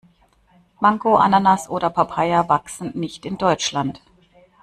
Mango, Ananas oder Papaya wachsen nicht in Deutschland.